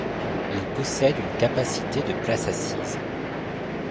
Il possède une capacité de places assises.